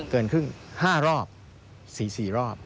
เกินครึ่ง๕รอบ๔๔รอบ